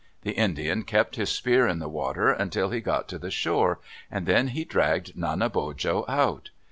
The Indian kept his spear in the water until he got to the shore, and then dragged Nanebojo out.